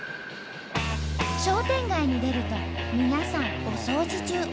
商店街に出ると皆さんお掃除中。